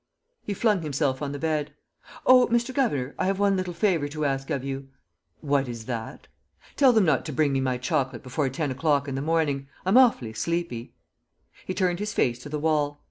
He flung himself on the bed: "Oh, Mr. Governor, I have one little favor to ask of you!" "What is that?" "Tell them not to bring me my chocolate before ten o'clock in the morning. ... I'm awfully sleepy." He turned his face to the wall.